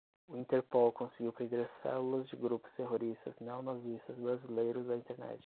O interpol conseguiu prender células de grupos terroristas neonazistas brasileiros da internet